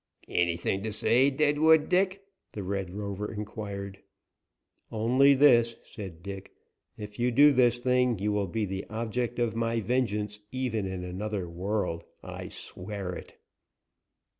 "Anything to say, Deadwood Dick?" the Red Rover inquired. "Only this," said Dick: "If you do this thing, you will be the object of my vengeance even in another world I swear it."